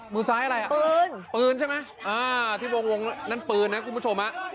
มือซ้ายอะไรอ่ะปืนปืนใช่ไหมอ่าที่วงนั่นปืนนะคุณผู้ชมฮะ